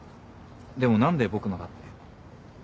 でも何で僕のだって。